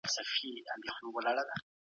ډیپلوماسي باید د اقتصادي ودي لپاره کار وکړي.